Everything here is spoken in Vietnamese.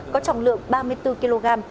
có trọng lượng ba mươi bốn kg